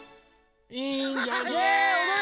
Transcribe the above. いいんじゃない？